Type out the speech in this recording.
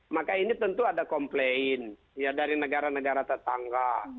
maka ini tentu ada komplain ya dari negara negara tetangga